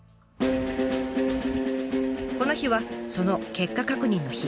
この日はその結果確認の日。